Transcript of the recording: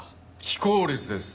非効率です。